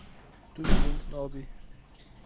Tu bilind nabî.